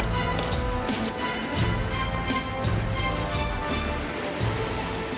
ที่หล่อถึงเป็นสันทั้งจุดที่นี่นะครับ